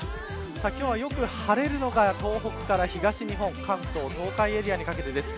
今日はよく晴れるのが東北から東日本関東、東海エリアにかけてです。